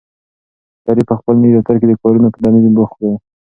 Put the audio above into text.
شریف په خپل نوي دفتر کې د کارونو په تنظیم بوخت و.